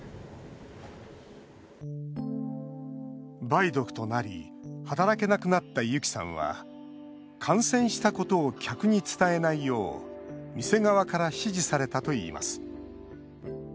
梅毒となり働けなくなったユキさんは感染したことを客に伝えないよう店側から指示されたといいます。